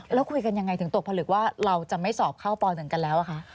แล้วคุยกันยังไงถึงตกผลึกว่าเราจะไม่สอบเข้าป๑กันแล้วคะ